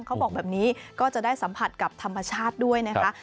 เขาบอกแบบนี้ก็จะได้สัมผัสกับธรรมชาติด้วยนะคะ